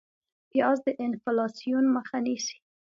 پیاز د انفلاسیون مخه نیسي